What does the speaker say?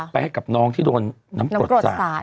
ให้กับน้องที่โดนน้ำกรดสาด